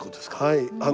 はい。